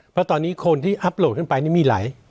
เพราะตอนนี้คนที่อัพโหลดขึ้นไปนี่มีหลาย